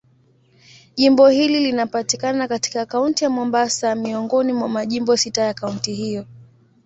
Jimbo hili linapatikana katika Kaunti ya Mombasa, miongoni mwa majimbo sita ya kaunti hiyo.